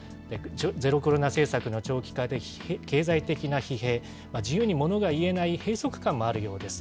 ゼロコロナ政策の長期化で、経済的な疲弊、自由にものが言えない閉塞感もあるようです。